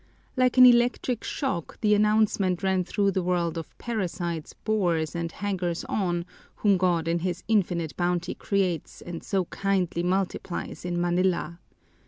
Like an electric shock the announcement ran through the world of parasites, bores, and hangers on, whom God in His infinite bounty creates and so kindly multiplies in Manila.